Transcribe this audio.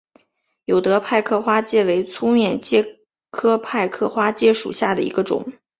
有德派克花介为粗面介科派克花介属下的一个种。